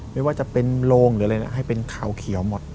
ไม่ว่าจะเป็นโรงหรืออะไรนะให้เป็นขาวเขียวหมด